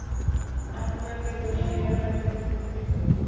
আপনাকে বসিয়ে রাখার জন্য দুঃখিত।